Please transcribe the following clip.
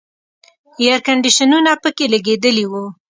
اییر کنډیشنونه پکې لګېدلي وو.